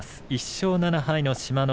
１勝７敗の志摩ノ